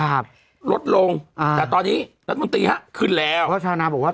ครับลดลงอ่าแต่ตอนนี้รัฐมนตรีฮะขึ้นแล้วเพราะชาวนาบอกว่า